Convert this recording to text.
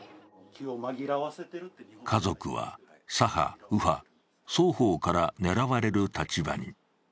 家族は左派、右派、双方から狙われる立場に。